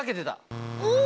お！